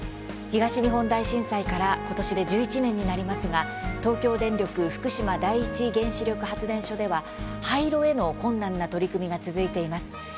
東日本大震災からことしで１１年になりますが東京電力福島第一原子力発電所では廃炉への困難な取り組みが続いています。